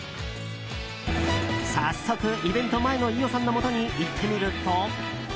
早速、イベント前の飯尾さんのもとに行ってみると。